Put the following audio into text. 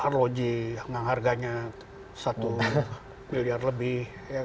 arloji yang harganya satu miliar lebih